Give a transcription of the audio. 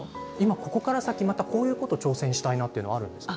ここから先こういうことに挑戦したいなというのあるんですか？